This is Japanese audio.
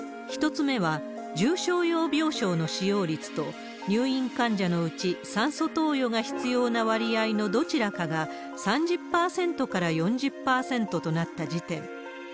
１つ目は、重症用病床の使用率と、入院患者のうち酸素投与が必要な割合のどちらかが３０％から４０％となった時点。